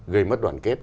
gây mất đoàn kết